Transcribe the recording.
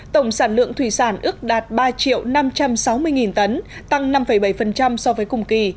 tổng sản lượng thủy sản ước đạt ba năm trăm sáu mươi tấn tăng năm bảy so với cùng kỳ